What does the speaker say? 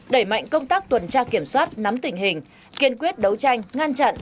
đẩy mạnh công tác tuần tra kiểm soát nắm tình hình kiên quyết đấu tranh ngăn chặn